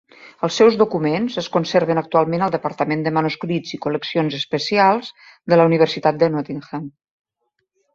Els seus documents es conserven actualment al departament de manuscrits i col·leccions especials de la universitat de Nottingham.